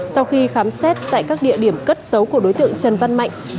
sau khi khám xét tại các địa điểm cất xấu của đối tượng trần văn mạnh